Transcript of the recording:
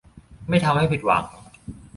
ไม่ทำให้ผิดหวัง